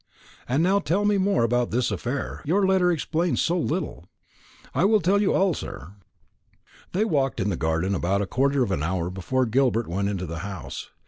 And now tell me more about this affair; your letter explains so little." "I will tell you all, sir." They walked in the garden for about a quarter of an hour before Gilbert went into the house.